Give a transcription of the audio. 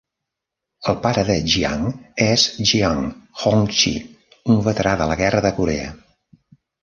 El pare de Jiang és Jiang Hongqi, un veterà de la guerra de Corea.